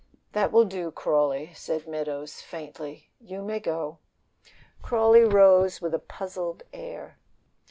"That will do, Crawley," said Meadows, faintly, "you may go." Crawley rose with a puzzled air.